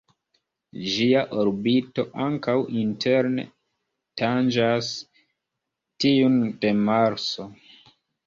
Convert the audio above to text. Ĝia orbito ankaŭ interne tanĝas tiun de Marso.